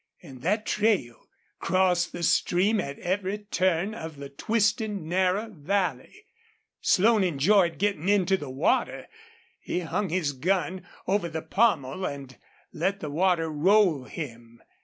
And that trail crossed the stream at every turn of the twisting, narrow valley. Slone enjoyed getting into the water. He hung his gun over the pommel and let the water roll him.